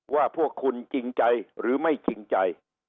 ว่าพวกคุณจริงใจหรือไม่จริงใจ